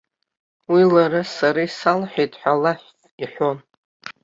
Уи лара сара исалҳәеит ҳәа алаф иҳәон.